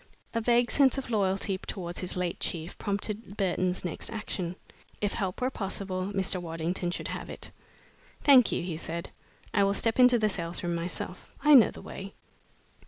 A vague sense of loyalty towards his late chief prompted Burton's next action. If help were possible, Mr. Waddington should have it. "Thank you," he said, "I will step into the sales room myself. I know the way."